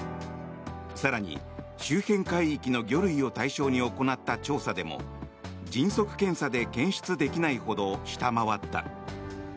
更に周辺海域の魚類を対象に行った調査でも迅速検査で検出できないほど下回った。